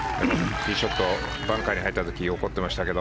ティーショットバンカーに入った時に怒っていましたけど。